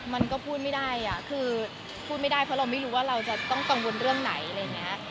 มันก็พูดไม่ได้คือพูดไม่ได้เพราะเราไม่รู้ว่าเราจะต้องกังวลเรื่องไหนอะไรอย่างนี้